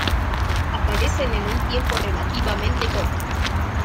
Aparecen en un tiempo relativamente corto.